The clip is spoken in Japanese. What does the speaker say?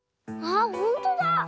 あっほんとだ！